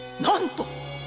何と！？